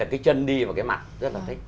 cái chân đi và cái mặt rất là thích